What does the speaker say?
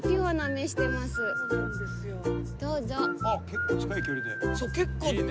結構近い距離で。